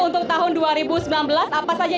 untuk tahun dua ribu sembilan belas apa saja